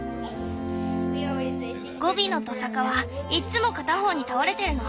ゴビのトサカはいっつも片方に倒れてるの。